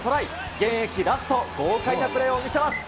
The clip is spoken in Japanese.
現役ラスト、豪快なプレーを見せます。